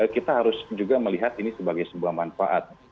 kita harus juga melihat ini sebagai sebuah manfaat